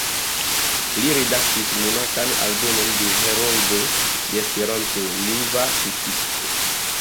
Li redaktis monatan aldonon de "Heroldo de Esperanto: Lingva Kritiko.